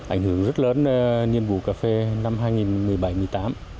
ảnh hưởng rất lớn nhiên vụ cà phê năm hai nghìn một mươi bảy hai nghìn một mươi tám